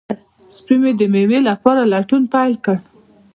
سپی مې د مېوې لپاره لټون پیل کړ.